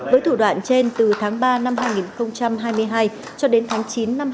với thủ đoạn trên từ tháng ba năm hai nghìn hai mươi hai cho đến tháng chín năm hai nghìn hai mươi ba